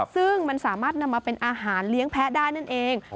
ซึ่งมันสามารถนำมาเป็นอาหารเลี้ยงแพ้ได้นั่นเอง